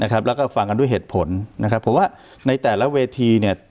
แล้วก็ฟังกันด้วยเหตุผลนะครับเพราะว่าในแต่ละเวทีเนี่ย